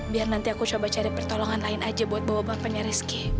biar nanti aku coba cari pertolongan lain aja buat bapaknya rizky